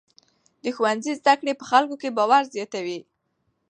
د ښوونځي زده کړې په خلکو کې باور زیاتوي.